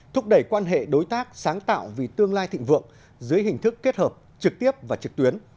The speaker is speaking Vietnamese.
thúc đẩy quan hệ đối tác sáng tạo vì tương lai thịnh vượng dưới hình thức kết hợp trực tiếp và trực tuyến